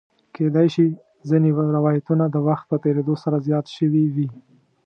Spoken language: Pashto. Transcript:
کېدای شي ځینې روایتونه د وخت په تېرېدو سره زیات شوي وي.